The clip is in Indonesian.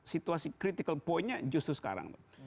situasi kritikal poinnya justru sekarang